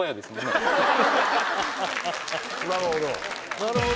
なるほど。